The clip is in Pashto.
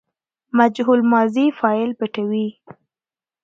مجهول ماضي فاعل پټوي.